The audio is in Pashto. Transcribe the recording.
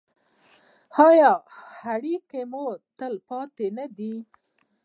آیا او اړیکې مو تلپاتې نه دي؟